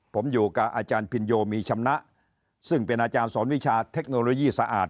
ผมอยู่กับอาจารย์พินโยมีชำนะซึ่งเป็นอาจารย์สอนวิชาเทคโนโลยีสะอาด